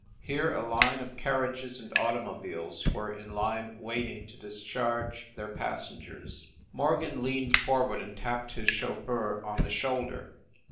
Here a line of carriages and automobiles were in line wait ing to discharge their passengers. Morgan leaned forward and tapped his chauffeur on the shoulder.